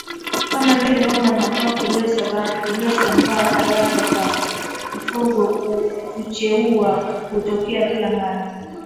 kama vile Homa ya Mapafu inayosambaa haraka kwa mifugo kucheua hutokea kila mara